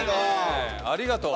ありがとう。